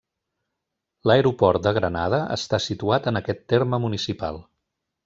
L'Aeroport de Granada està situat en aquest terme municipal.